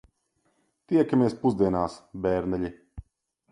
Tiekamies pusdienās, bērneļi.